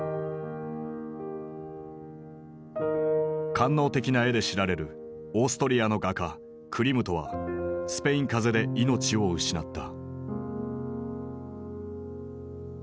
官能的な絵で知られるオーストリアの画家クリムトはスペイン風邪で命を失った。